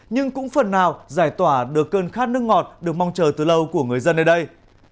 nhưng cũng phần nào giải tỏa được cơn khát nước ngọt được mong chờ từ lâu của người dân ở đây